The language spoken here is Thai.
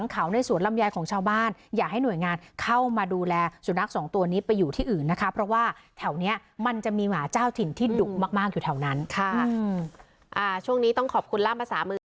ช่วงนี้ต้องขอบคุณล่ามภาษามือค่ะ